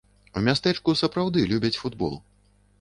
У мястэчку сапраўды любяць футбол.